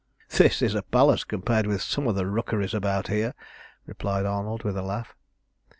"This is a palace compared with some of the rookeries about here," replied Arnold, with a laugh.